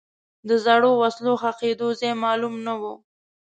د زړو وسلو ښخېدو ځای معلوم نه و.